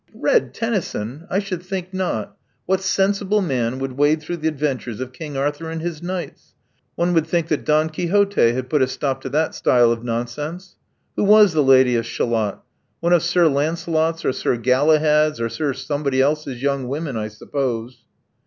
''Read Tennyson! I should think not What sensible man would wade through the adventures of King Arthur and his knights? One would think that Don Quixote had put a stop to that style of nonsense. Who was the Lady of Shalott? One of Sir Lancelot's, or Sir Galahad's, or Sir Somebodyelse's young women, I suppose."